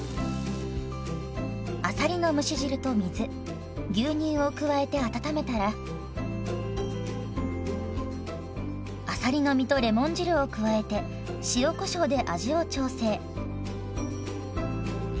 あさりの蒸し汁と水牛乳を加えて温めたらあさりの身とレモン汁を加えて塩こしょうで味を調整。